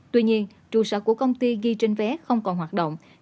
tuy nhiên trụ sở của công ty ghi trên vé không còn hoạt động